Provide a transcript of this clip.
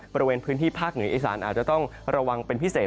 บริเวณพื้นที่ภาคเหนืออีสานอาจจะต้องระวังเป็นพิเศษ